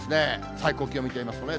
最高気温見てみますとね。